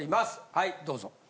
はいどうぞ！